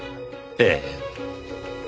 ええ。